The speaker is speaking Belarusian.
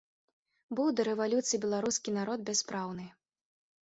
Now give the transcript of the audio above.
Быў да рэвалюцыі беларускі народ бяспраўны.